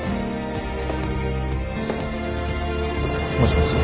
もしもし？